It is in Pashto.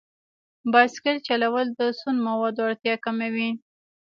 بایسکل چلول د سون موادو اړتیا کموي.